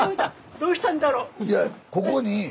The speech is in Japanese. どうしたんだろう？